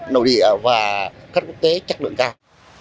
nội địa và khách quốc tế chắc lượng cao